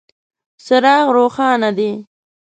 څراغ روښانه دی .